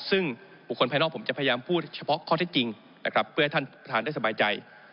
ซึ่งบุคคลภายนอกผมจะพยายามพูดเฉพาะข้อเท็จจริงนะครับเพื่อให้ท่านประธานได้สบายใจ